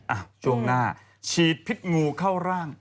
ช่วงหน้าฉีดพิษงูเข้าร่าง